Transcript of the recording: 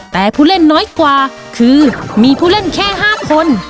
แต่ผู้เล่นน้อยกว่าคือมีผู้เล่นแค่๕คน